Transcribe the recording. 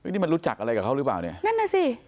นี่มันรู้จักอะไรกับเขาหรือเปล่าเนี่ยนั่นน่ะสิ